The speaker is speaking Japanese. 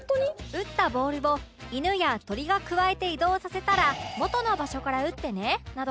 打ったボールを犬や鳥がくわえて移動させたら元の場所から打ってねなど